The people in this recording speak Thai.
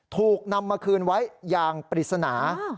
ถูกนำมาคืนไว้อย่างปริศนา